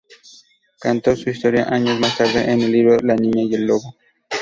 Contó su historia años más tarde en el libro "La niña y el lobo".